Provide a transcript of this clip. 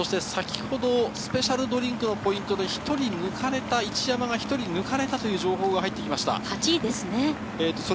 スペシャルドリンクのポイントで１人抜かれた一山が１人抜かれたという情報が入ってきました。